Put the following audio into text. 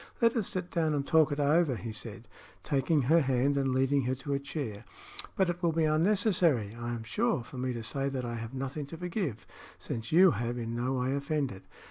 "Let us sit down and talk it over," he said, taking her hand and leading her to a chair. "But it will be unnecessary, I am sure, for me to say that I have nothing to forgive, since you have in no way offended."